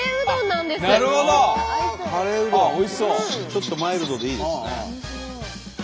ちょっとマイルドでいいですね。